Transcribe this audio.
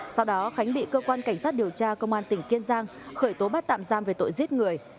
sau đó khánh bị cơ quan cảnh sát điều tra công an tỉnh kiên giang khởi tố bắt tạm giam về tội giết người